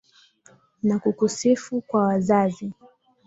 na kukusifu kwa wazazi